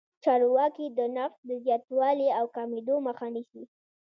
چارواکي د نرخ د زیاتوالي او کمېدو مخه نیسي.